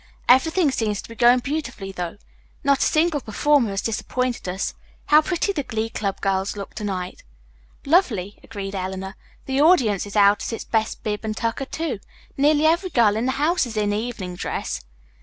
"Everything seems to be going beautifully though. Not a single performer has disappointed us. How pretty the Glee Club girls look to night." "Lovely," agreed Eleanor. "The audience is out in its best bib and tucker, too. Nearly every girl in the house is in evening dress."